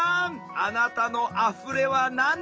あなたの「あふれ」は何ですか？